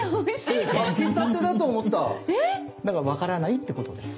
だからわからないってことです。